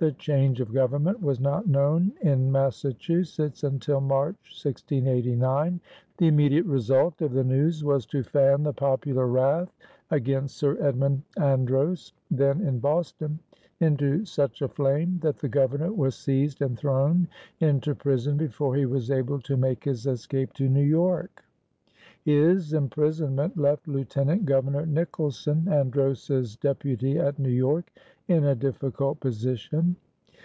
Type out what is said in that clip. The change of government was not known in Massachusetts until March, 1689. The immediate result of the news was to fan the popular wrath against Sir Edmund Andros, then in Boston, into such a flame that the Governor was seized and thrown into prison before he was able to make his escape to New York. His imprisonment left Lieutenant Governor Nicholson, Andros's deputy at New York, in a difficult position.